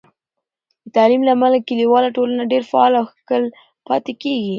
د تعلیم له امله، کلیواله ټولنه ډیر فعاله او ښکیل پاتې کېږي.